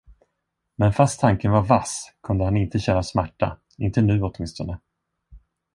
Men fast tanken var vass, kunde han inte känna smärta, inte nu åtminstone.